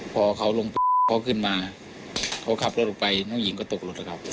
พอเขาลงไปเขาขึ้นมาเขาขับรถออกไปน้องหญิงก็ตกรถนะครับ